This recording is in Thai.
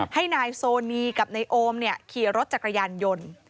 ให้นายโซนีกับนายโอมขี่รถจักรยานยนต์